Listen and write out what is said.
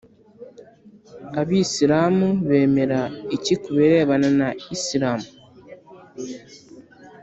abisilamu bemera iki ku birebana na isilamu?